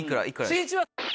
しんいちは。